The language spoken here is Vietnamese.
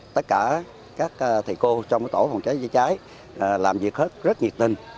tất cả các thầy cô trong tổ phòng cháy chữa cháy làm việc hết rất nhiệt tình